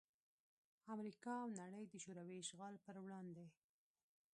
امریکا او نړۍ دشوروي اشغال پر وړاندې